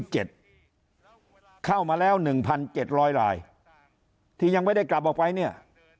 เข้ามาแล้ว๑๗๐๐รายที่ยังไม่ได้กลับออกไปเนี่ย